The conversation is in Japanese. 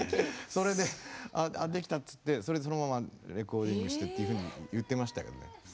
それで「あっできた」っつってそれでそのままレコーディングしてっていうふうに言ってましたけどね。